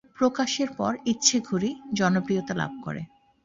প্রকাশের পরে, "ইচ্ছে ঘুড়ি" জনপ্রিয়তা লাভ করে।